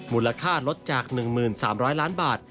มูลค่าลดจาก๑๓๐๐ล้านบาท